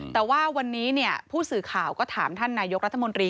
แต่ว่าวันนี้ผู้สื่อข่าวก็ถามท่านนายกรัฐมนตรี